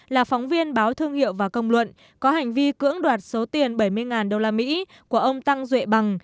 là phóng viên báo thương hiệu và công luận có hành vi cưỡng đoạt số tiền bảy mươi usd của ông tăng duệ bằng